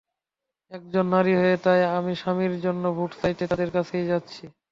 একজন নারী হয়ে তাই আমি স্বামীর জন্য ভোট চাইতে তাঁদের কাছেই যাচ্ছি।